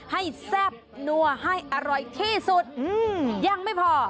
แซ่บนัวให้อร่อยที่สุดยังไม่พอ